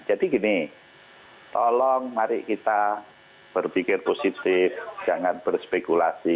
jadi gini tolong mari kita berpikir positif jangan berspekulasi